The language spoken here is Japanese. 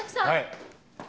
はい。